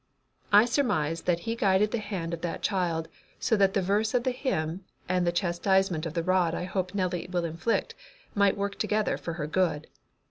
"I surmise that He guided the hand of that child so that the verse of the hymn, and the chastisement of the rod I hope Nellie will inflict, might work together for her good.